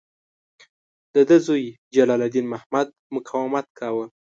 د ده زوی جلال الدین محمد مقاومت کاوه.